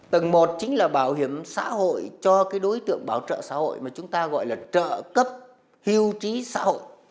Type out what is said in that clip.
tầng một chính là bảo hiểm xã hội cho cái đối tượng bảo trợ xã hội mà chúng ta gọi là trợ cấp hưu trí xã hội